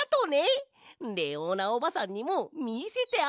レオーナおばさんにもみせてあげよ！